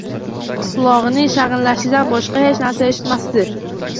Qulog`ining shang`illashidan boshqa hech narsa eshitmasdi